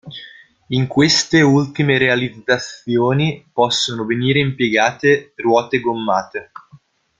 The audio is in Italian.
In queste ultime realizzazioni possono venire impiegate ruote gommate.